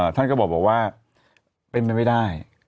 ท่านก็บอกว่าเป็นไปไม่ได้